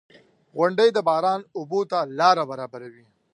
• غونډۍ د باران اوبو ته لاره برابروي.